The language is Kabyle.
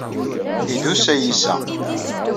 Idus ayyis a.